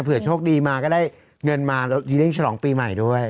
เผื่อโชคดีมาก็ได้เงินมาแล้วก็ได้ได้ได้ฉลองปีใหม่ด้วย